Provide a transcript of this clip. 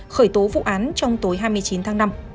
khởi tố vụ án trong tối hai mươi chín tháng năm